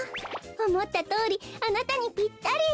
おもったとおりあなたにピッタリ。